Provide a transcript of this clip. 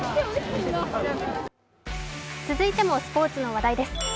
続いてもスポーツの話題です。